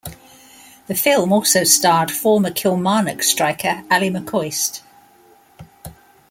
The film also starred former Kilmarnock striker Ally McCoist.